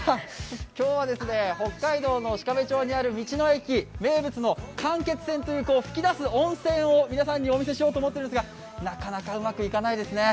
今日は北海道の鹿部町にある道の駅、名物の間欠泉という吹き出す温泉を皆さんにお見せしようと思っているんですが、なかなかうまくいかないですねー。